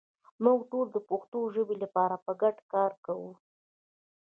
موږ ټول د پښتو ژبې لپاره په ګډه کار کوو.